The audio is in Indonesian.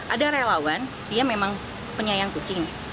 ada relawan dia memang penyayang kucing